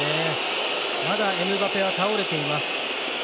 まだエムバペは倒れています。